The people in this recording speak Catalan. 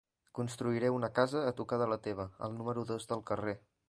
Construiré una casa a tocar de la teva, al número dos del carrer.